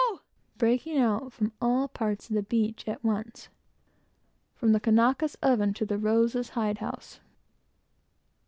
breaking out from all parts of the beach, at once, from the Kanakas' oven to the Rosa's house.